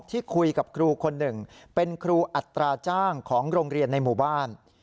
ที่คุยกับครูคนหนึ่งเป็นครูอัตราจ้างของโรงเรียนในหมู่บ้าน